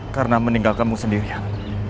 karena meninggalkanmu sendirian